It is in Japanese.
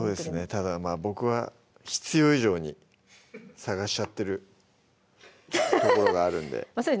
ただまぁ僕は必要以上に探しちゃってるところがあるんでそうですね